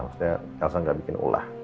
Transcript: maksudnya elsa gak bikin ulah